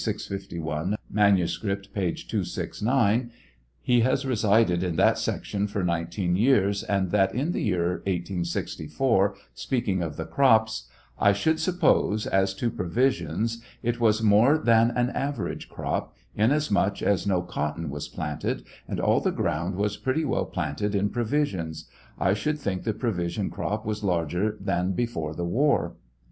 651; mannscript, p. 269) he has resided in that section for nineteen years, and that in the year 1864, speaking of the crops — I should suppose, as to provisions, it was more than an average crop, inasmuch as no cot ton was planted, and all the ground was pretty well planted in provisions ; I should think the provision crop was larger than before the war.